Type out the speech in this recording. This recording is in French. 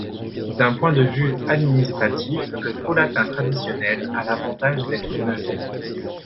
D'un point de vue administratif, le faux latin traditionnel a l'avantage d'être neutre.